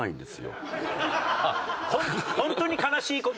本当に悲しい事？